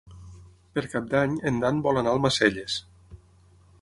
Per Cap d'Any en Dan vol anar a Almacelles.